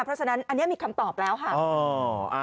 เพราะฉะนั้นอันนี้มีคำตอบแล้วค่ะ